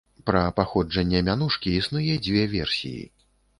Пра паходжанне мянушкі існуе дзве версіі.